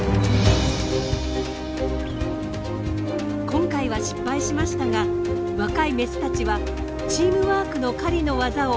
今回は失敗しましたが若いメスたちはチームワークの狩りのワザを身につけ始めていたのです。